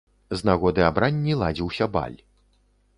З нагоды абранні ладзіўся баль.